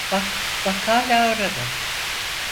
Bak, bak, hâlâ orada…